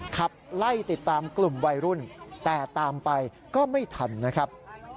ขับไล่ติดตามกลุ่มวัยรุ่นแต่ตามไปก็ไม่ทันนะครับ